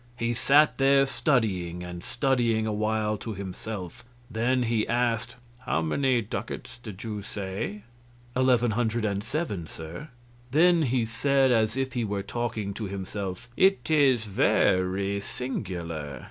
He sat there studying and studying awhile to himself; then he asked: "How many ducats did you say?" "Eleven hundred and seven, sir." Then he said, as if he were talking to himself: "It is ver y singular.